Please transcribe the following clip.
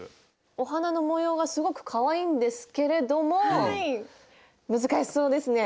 お花の模様がすごくかわいいんですけれども難しそうですね？